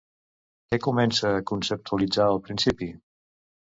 Què comença a conceptualitzar al principi?